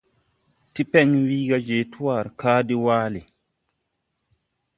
Tipen riŋ ga je twar kaa de waale.